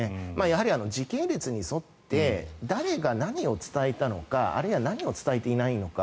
時系列に沿って誰が何を伝えたのかあるいは何を伝えていないのか